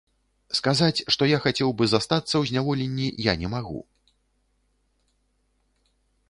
Сказаць, што я хацеў бы застацца ў зняволенні, я не магу.